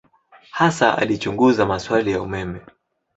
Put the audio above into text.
Hasa alichunguza maswali ya umeme.